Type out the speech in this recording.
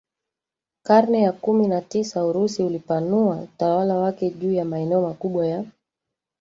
karne ya kumi na tisa Urusi ulipanua utawala wake juu ya maneo makubwa ya